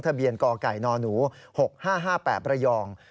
ทะเบียนกไก่นหนู๖๕๕๘ระยอง